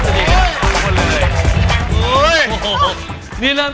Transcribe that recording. สวัสดีครับ